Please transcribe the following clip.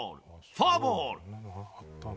フォアボール。